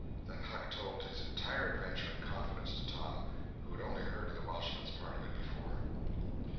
Then Huck told his entire adventure in confidence to Tom, who had only heard of the Welshman's part of it before.